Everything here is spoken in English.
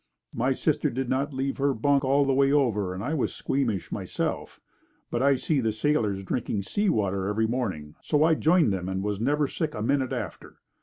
My sister did not leave her bunk all the way over and I was squeamish myself, but I see the sailors drinking seawater every morning, so I joined them and was never sick a minute after.